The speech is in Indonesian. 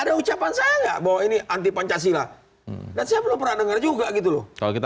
ada ucapan saya bahwa ini anti pancasila dan saya belum pernah dengar juga gitu loh kalau kita